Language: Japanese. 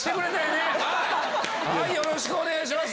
よろしくお願いします。